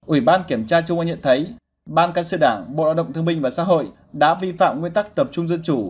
ủy ban kiểm tra trung ương nhận thấy ban các sự đảng bộ đạo động tư minh và xã hội đã vi phạm nguyên tắc tập trung dân chủ